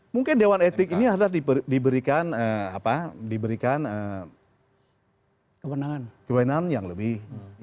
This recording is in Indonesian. mungkin dewan etik ini harus diberikan kewenangan yang lebih